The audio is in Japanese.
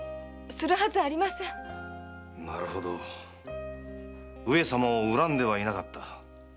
なるほど上様を恨んではいなかった。